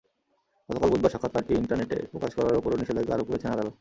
গতকাল বুধবার সাক্ষাৎকারটি ইন্টারনেটে প্রকাশ করার ওপরও নিষেধাজ্ঞা আরোপ করেছেন আদালত।